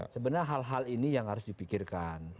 sebenarnya hal hal ini yang harus dipikirkan